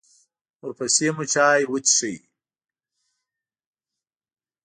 ورپسې مو چای وڅښه.